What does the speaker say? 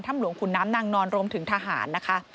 ถ้ำหลวงคุณน้ำนางนอนรมถึงทหารนะคะ